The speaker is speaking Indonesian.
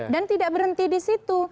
dan tidak berhenti di situ